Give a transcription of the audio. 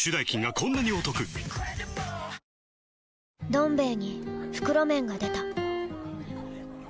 「どん兵衛」に袋麺が出た